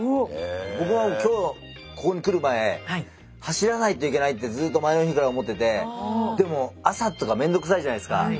僕は今日ここに来る前走らないといけないってずっと前の日から思っててでも朝とかめんどくさいじゃないすか。